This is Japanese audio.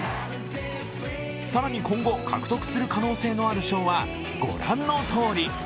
更に今後、獲得する可能性のある賞は御覧のとおり。